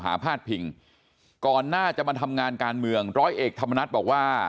พาดพิงก่อนหน้าจะมาทำงานการเมืองร้อยเอกธรรมนัฏบอกว่า